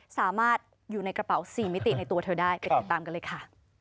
สามารถอยู่ในกระเป๋า๔มิติในตัวเธอได้ไปติดตามกันเลยค่ะ